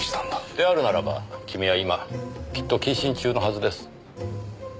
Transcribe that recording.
であるならば君は今きっと謹慎中のはずです。